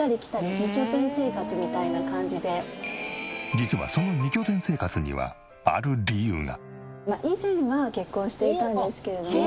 実はその２拠点生活にはある理由が。